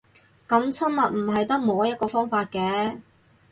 噉親密唔係得摸一個方法嘅